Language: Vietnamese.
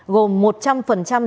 gồm một trăm linh đồng